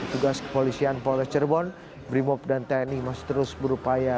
tugas kepolisian polres cirebon brimob dan tni masih terus berupaya